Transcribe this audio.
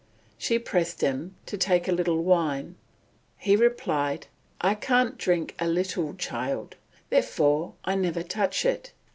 She pressed him to take a little wine. He replied, "I can't drink a little, child: therefore I never touch it.